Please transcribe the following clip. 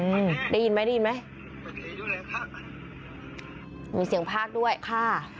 อื้อได้ยินไหมมีเสียงพราคด้วยค่ะ